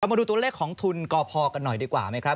มาดูตัวเลขของทุนกพกันหน่อยดีกว่าไหมครับ